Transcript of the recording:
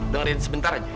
dengarin sebentar aja